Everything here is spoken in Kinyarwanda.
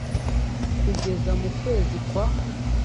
kugeza mu kwezi kwa